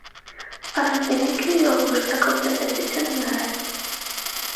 Առանց էներգիայի ժողովրդական տնտեսությունը մեռած է։